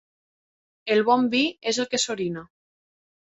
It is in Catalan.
El bon vi és el que s'orina.